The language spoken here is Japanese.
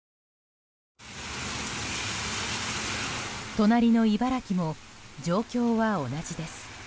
隣の茨城も状況は同じです。